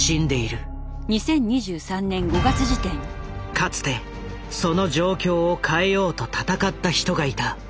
かつてその状況を変えようと闘った人がいた。